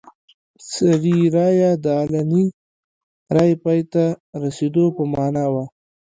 سري رایه د علني رایې پای ته رسېدو په معنا وه.